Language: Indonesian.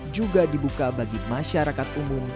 juga dibuka bagi masyarakat umum